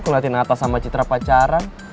kelatih natas sama citra pacaran